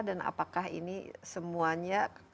dan apakah ini semuanya